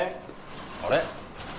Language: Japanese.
あれ？